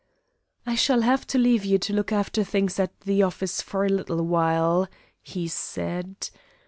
"I shall have to ask you to look after things at the office for a little while," he said.